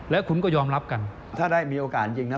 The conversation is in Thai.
แล้วคุณก็ยอมรับกันถ้าได้มีโอกาสจริงนะ